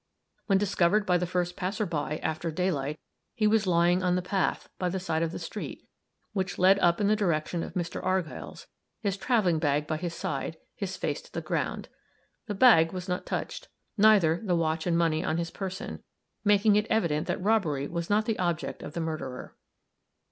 When discovered by the first passer by, after daylight, he was lying on the path, by the side of the street, which led up in the direction of Mr. Argyll's, his traveling bag by his side, his face to the ground. The bag was not touched, neither the watch and money on his person, making it evident that robbery was not the object of the murderer.